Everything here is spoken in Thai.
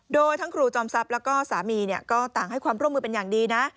โดยทั้งครูจอมทรัพย์แล้วก็สามีก็ต่างให้ความร่วมมือเป็นอย่างดีนะ